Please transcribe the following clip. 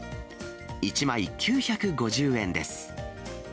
１枚９５０円です。